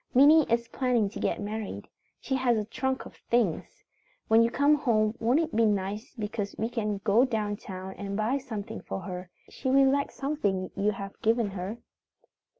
"Minnie is planning to get married. She has a trunk of things. When you come home won't it be nice because we can go down town and buy something for her. She will like something you have given her.